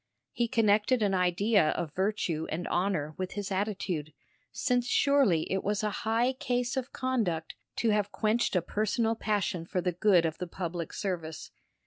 He connected an idea of virtue and honour with his attitude, since surely it was a high case of conduct to have quenched a personal passion for the good of the public service.